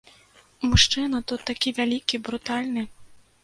Мужчына тут такі вялікі, брутальны.